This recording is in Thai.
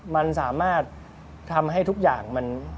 มันสามารถทำให้ทุกอย่างมัน